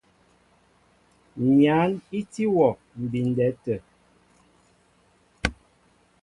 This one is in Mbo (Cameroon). Nyǎn í tí wɔ mbindɛ tə̂.